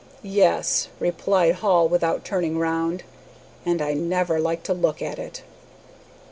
"Yes," replied Hall, without turning round, "and I never like to look at it."